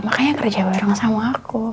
makanya kerja bareng sama aku